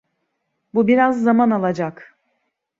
Bu biraz zaman alacak.